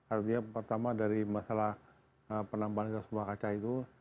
artinya pertama dari masalah penambahan ke sumber kaca itu